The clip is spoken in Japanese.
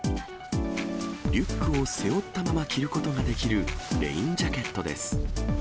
リュックを背負ったまま着ることができるレインジャケットです。